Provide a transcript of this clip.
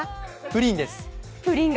プリンです。